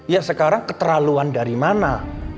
ya sekarang keterlaluan dari mana